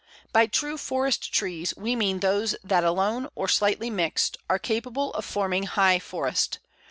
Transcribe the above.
By true forest trees we mean those that alone or slightly mixed are capable of forming high forest.